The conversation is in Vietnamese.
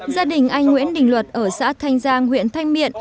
gia đình anh nguyễn đình luật ở xã thanh giang huyện thanh miện